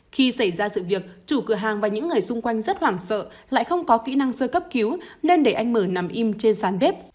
khi xảy ra sự việc chủ cửa hàng và những người xung quanh rất hoảng sợ lại không có kỹ năng sơ cấp cứu nên để anh mở nằm im trên sàn bếp